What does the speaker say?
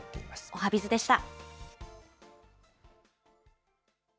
おはＢｉｚでした。